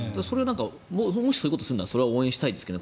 そういうことをするなら応援したいですけどね